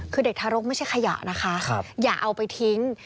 คือเด็กทารกไม่ใช่ขยะนะคะอย่าเอาไปทิ้ง